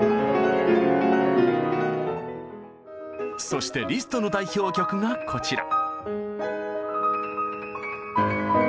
そしてリストの代表曲がこちら。